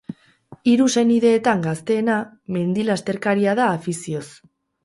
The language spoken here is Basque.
Hiru senideetan gaztena, mendi lasterkaria da afizioz.